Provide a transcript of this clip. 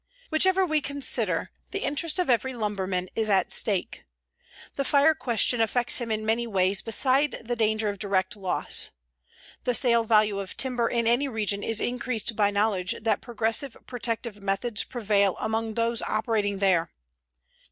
Whichever we consider, the interest of every lumberman is at stake. The fire question affects him in many ways beside the danger of direct loss. The sale value of timber in any region is increased by knowledge that progressive protective methods prevail among those operating there.